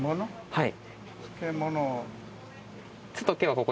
はい！